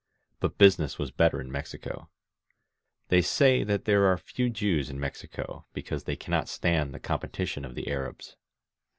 But business was better in Mexico. They say that there are few Jews in Mexico because they cannot stand the competition of the Arabs.